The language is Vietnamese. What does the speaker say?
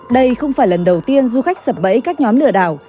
đây không phải lần đầu tiên du khách sập bẫy các nhóm lừa đảo